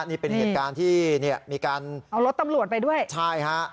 นี่เป็นเหตุการณ์ที่เนี่ยมีการเอารถตำรวจไปด้วยใช่ฮะ